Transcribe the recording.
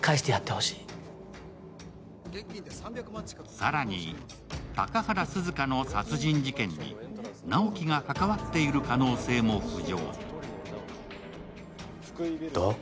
更に、高原涼香の殺人事件に直木が関わっている可能性も浮上。